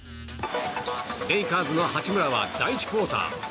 レイカーズの八村は第１クオーター。